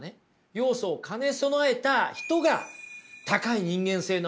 要素を兼ね備えた人が高い人間性のある人なんですよ。